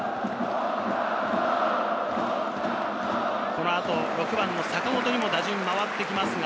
このあと６番・坂本に打順が回ってきます。